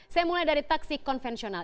saya mulai dari taksi konvensional